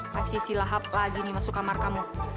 pasti si lahap lagi nih masuk kamar kamu